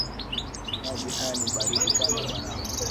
Maji haya ni baridi kama barafu